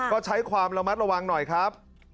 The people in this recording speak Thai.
ก็ใช้ความระมัดระวังหน่อยครับ